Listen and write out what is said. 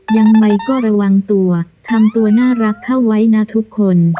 ยังไงก็ระวังตัวทำตัวน่ารักเข้าไว้นะทุกคน